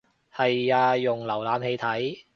係啊用瀏覽器睇